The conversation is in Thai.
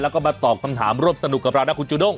แล้วก็มาตอบคำถามร่วมสนุกกับเรานะคุณจูด้ง